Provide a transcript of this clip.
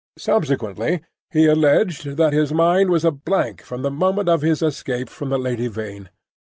Subsequently he alleged that his mind was a blank from the moment of his escape from the Lady Vain.